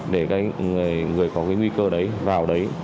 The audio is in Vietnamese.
để người có nguy cơ đấy vào đấy